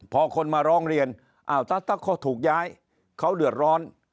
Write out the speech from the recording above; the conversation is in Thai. พอคนมาร้องเรียนอ้าวถ้าเขาถูกย้ายเขาเดือดร้อน